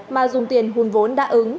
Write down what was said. mà dùng tiền hùn vốn đã ứng